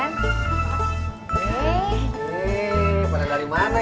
eh ini dari mana